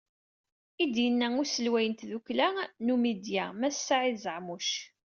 I d-yenna uselway n tdukkla Numidya, Mass Saɛid Zeɛmuc.